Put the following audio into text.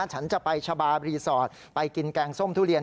ฉันจะไปชะบารีสอร์ทไปกินแกงส้มทุเรียน